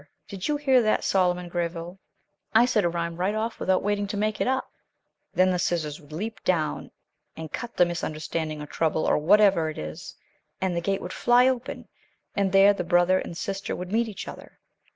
Did you hear that, Solomon Gréville? I said a rhyme right off without waiting to make it up. Then the scissors would leap down and cut the misunderstanding or trouble or whatever it is, and the gate would fly open, and there the brother and sister would meet each other.